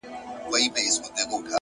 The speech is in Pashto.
هره شېبه د مثبت بدلون امکان لري،